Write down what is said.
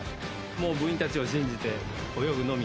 もう部員たちを信じて泳ぐのみ。